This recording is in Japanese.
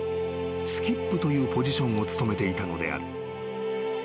スキップというポジションを務めていたのである］